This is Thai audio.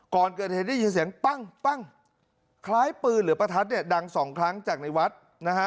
ก่อนเกิดเหตุได้ยินเสียงปั้งปั้งคล้ายปืนหรือประทัดเนี่ยดังสองครั้งจากในวัดนะฮะ